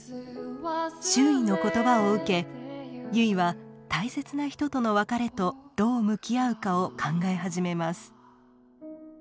周囲の言葉を受け結は大切な人との別れとどう向き合うかを考え始めます。